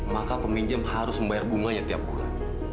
maka peminjam harus membayar bunganya tiap bulan